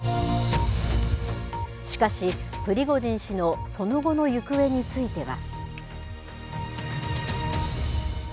しかし、プリゴジン氏のその後の行方については。